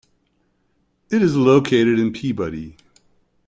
It is located in Peabody.